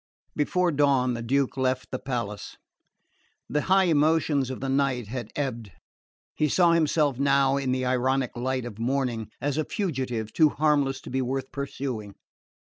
Before dawn the Duke left the palace. The high emotions of the night had ebbed. He saw himself now, in the ironic light of morning, as a fugitive too harmless to be worth pursuing.